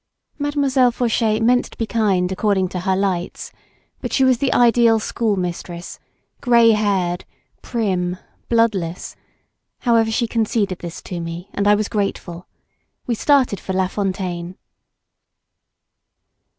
Mademoiselle Fauchet meant to be kind according to her lights, but she was the ideal schoolmistress, grey haired, prim, bloodless; however she conceded this to me and I was grateful. We started for La Fontaine.